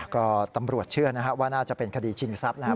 ก็ตำรวจเชื่อว่าน่าจะเป็นคดีชิงทรัพย์นะครับ